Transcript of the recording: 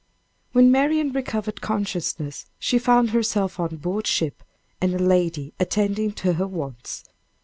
When Marian recovered consciousness she found herself on board ship and a lady attending to her wants.